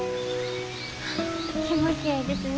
気持ちええですね。